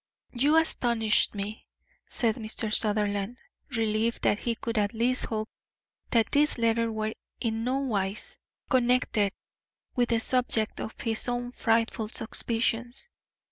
"You astonish me," said Mr. Sutherland, relieved that he could at least hope that these letters were in nowise connected with the subject of his own frightful suspicions.